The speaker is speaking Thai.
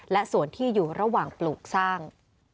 และส่วนที่อยู่ระหว่างปลูกสร้าง